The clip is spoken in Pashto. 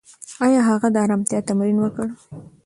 ایا هغه د ارامتیا تمرین وکړ؟